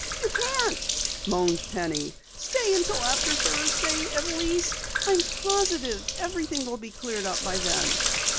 You can't!" moaned Penny. "Stay until after Thursday, at least. I'm positive everything will be cleared up by then."